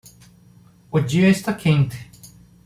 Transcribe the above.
O dia está quente